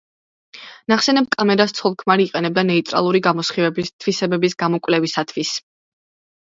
ნახსენებ კამერას ცოლ-ქმარი იყენებდა ნეიტრალური გამოსხივების თვისებების გამოკვლევისათვის.